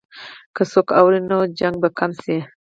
که څوک اوري، نو شخړه به کمه شي.